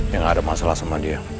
jangan ada masalah sama dia